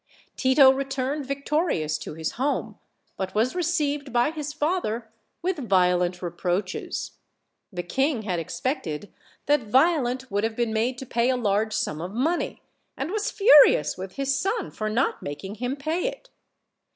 Tito returned victori ous to his home, but was received by his father with violent reproaches. The king had expected that Violent would have been made to pay a large sum of money, and was furious with his son for not making him pay it.